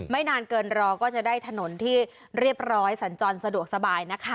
นานเกินรอก็จะได้ถนนที่เรียบร้อยสัญจรสะดวกสบายนะคะ